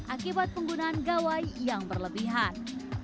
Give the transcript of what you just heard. akibat penggunaan gawai yang berlebihan